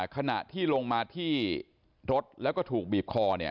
ขณะที่ลงมาที่รถแล้วก็ถูกบีบคอ